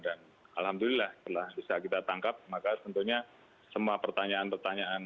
dan alhamdulillah setelah bisa kita tangkap maka tentunya semua pertanyaan pertanyaan